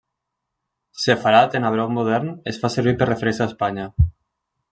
Sefarad en hebreu modern es fa servir per a referir-se a Espanya.